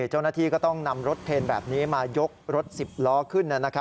เจ้าหน้าที่ก็ต้องนำรถเคนแบบนี้มายกรถ๑๐ล้อขึ้น